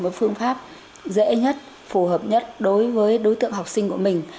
một phương pháp dễ nhất phù hợp nhất đối với đối tượng học sinh của mình